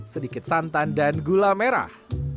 sedikit santan dan gula merah